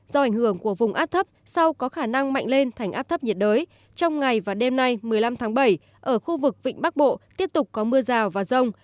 do ảnh hưởng của vùng áp thấp sau có khả năng mạnh lên thành áp thấp nhiệt đới trong ngày và đêm nay một mươi năm tháng bảy ở khu vực vịnh bắc bộ tiếp tục có mưa rào và rông